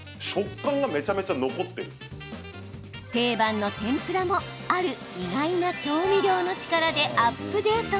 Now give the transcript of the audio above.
定番の天ぷらもある意外な調味料の力でアップデート。